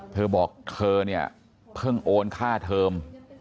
เธอบอกเธอเพิ่งโอนค่าเทอม